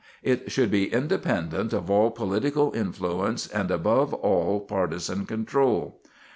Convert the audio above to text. It should be independent of all political influence and above all partisan control.